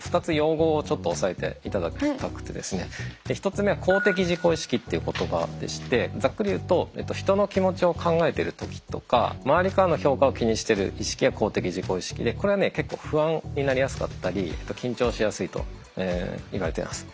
１つ目は公的自己意識っていう言葉でしてざっくり言うと人の気持ちを考えてる時とか周りからの評価を気にしてる意識が公的自己意識でこれはね結構不安になりやすかったり緊張しやすいといわれています。